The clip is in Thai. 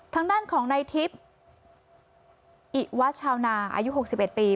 ทางด้านของนายทิศอิวัชชาวนาอายุหกสิบเอ็ดปี